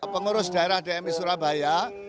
pengurus daerah dmi surabaya